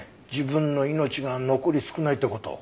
自分の命が残り少ないって事。